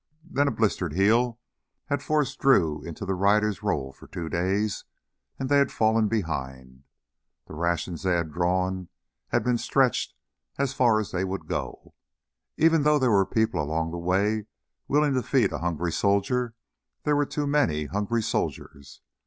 Then a blistered heel had forced Drew into the rider's role for two days, and they had fallen behind. The rations they had drawn had been stretched as far as they would go. Even though there were people along the way willing to feed a hungry soldier, there were too many hungry soldiers.